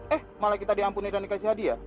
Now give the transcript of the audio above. eh malah kita diampuni dan dikasih hadiah